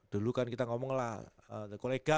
dulu kan kita ngomong lah kolega